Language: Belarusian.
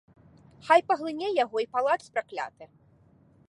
Хай паглыне яго і палац пракляты!